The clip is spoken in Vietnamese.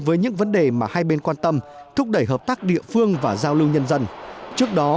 với những vấn đề mà hai bên quan tâm thúc đẩy hợp tác địa phương và giao lưu nhân dân trước đó